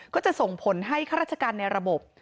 ก็จะส่งผลให้ข้าราชการในระบบ